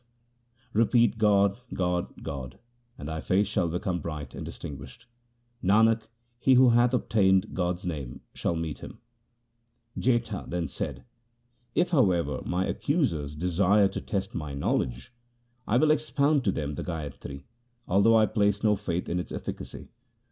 io8 THE SIKH RELIGION Repeat, God, God, God, and thy face shall become bright and distinguished. Nanak, he who hath obtained God's name shall meet Him. Jetha then said, ' If, however, my accusers desire to test my knowledge I will expound to them the gayatri, although I place no faith in its efficacy.'